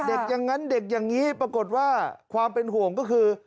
อย่างนั้นเด็กอย่างนี้ปรากฏว่าความเป็นห่วงก็คือ